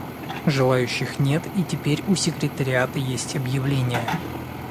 Желающих нет, и теперь у секретариата есть объявления.